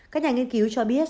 các nhà nghiên cứu cho biết